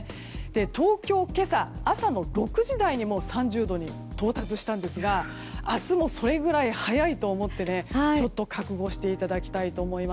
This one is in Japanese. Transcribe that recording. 東京は今朝、朝の６時台にもう３０度に到達したんですが明日もそれぐらい早いと思って覚悟していただきたいです。